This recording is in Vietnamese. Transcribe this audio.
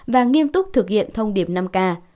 và nghiêm túc thực hiện thông điệp năm k